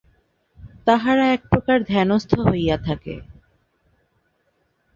তাহারা একপ্রকার ধ্যানস্থ হইয়া থাকে।